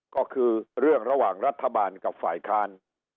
ก็คือเรื่องระหว่างรัฐบาลกับฝ่ายค้าน